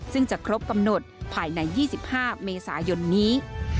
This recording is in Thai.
ซึ่งจะครบกำหนดภายใน๒๕เมษายนนี้